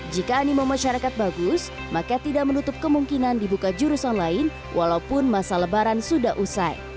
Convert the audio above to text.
jika animo masyarakat bagus maka tidak menutup kemungkinan dibuka jurusan lain walaupun masa lebaran sudah usai